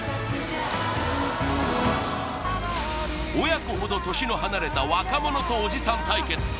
親子ほど年の離れた若者とおじさん対決